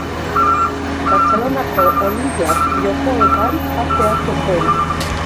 Bartzelonako Olinpiar Jokoetan parte hartu zuen.